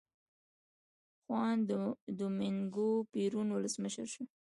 خوان دومینګو پېرون ولسمشر شو.